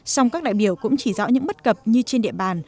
song các đại biểu cũng chỉ rõ những bất cập như trên địa bàn